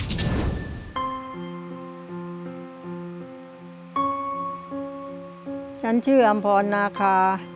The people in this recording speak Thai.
ฉันชื่ออำพรนาคา